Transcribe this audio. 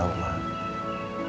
barusan ada yang kasih tau